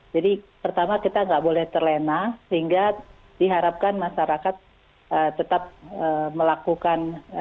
jadi pertama kita enggak boleh terlena sehingga diharapkan masyarakat tetap melakukan